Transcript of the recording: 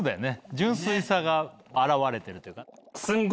純粋さが表れてるというか。